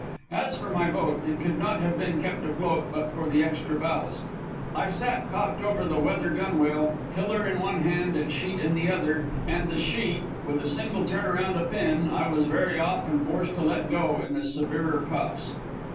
As for my boat, it could not have been kept afloat but for the extra ballast. I sat cocked over the weather gunwale, tiller in one hand and sheet in the other; and the sheet, with a single turn around a pin, I was very often forced to let go in the severer puffs.